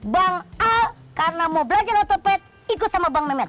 bang a karena mau belajar otopad ikut sama bang mehmet